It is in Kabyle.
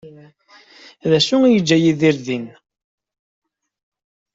D acu ay iga Yidir din?